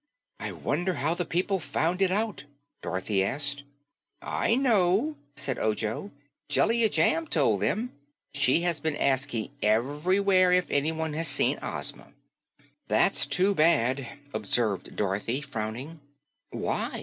"I wonder how the people found it out," Dorothy asked. "I know," said Ojo. "Jellia Jamb told them. She has been asking everywhere if anyone has seen Ozma." "That's too bad," observed Dorothy, frowning. "Why?"